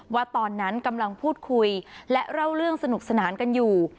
ว่าตอนนั้นกำลังพูดคุยและเล่าเรื่องสนุกสนานกันอยู่